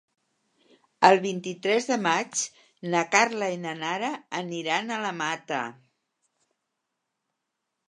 El vint-i-tres de maig na Carla i na Nara aniran a la Mata.